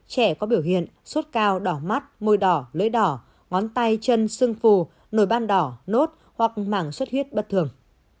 trẻ có biểu hiện suốt cao đỏ mắt môi đỏ lưỡi đỏ ngón tay chân xương phù nồi ban đỏ nốt hoặc mảng suốt huyết bất thường